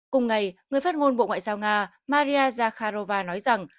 cùng ngày người phát ngôn bộ ngoại giao nga maria zakharova nói rằng